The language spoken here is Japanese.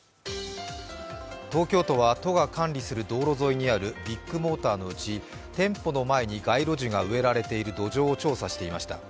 東京都は都が管理する道路沿いにあるビッグモーターのうち店舗前に街路樹が植えられている土壌を調査していました。